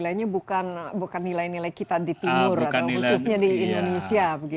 nilainya bukan nilai nilai kita di timur atau khususnya di indonesia